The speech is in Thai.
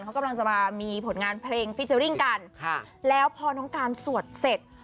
เขากำลังจะมามีผลงานเพลงค่ะแล้วพอน้องการสวดเสร็จ